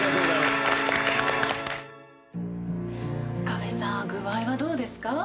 岡部さん具合はどうですか？